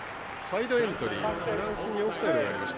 サイドエントリー。